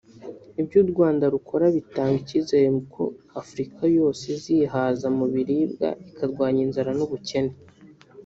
Ibyo u Rwanda rukora bitanga icyizere ko Afurika yose izihaza mu biribwa ikarwanya inzara n’ubukene